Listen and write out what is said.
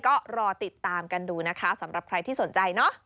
ก็รอติดตามกันดูนะคะสำหรับใครที่สนใจเนอะ